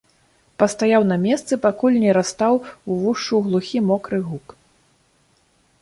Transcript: Пастаяў на месцы, пакуль не растаў увушшу глухі мокры гук.